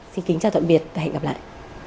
xin kính chào tạm biệt và hẹn gặp lại